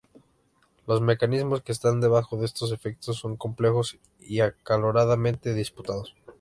Los mecanismos que están debajo de estos efectos son complejos y acaloradamente disputados.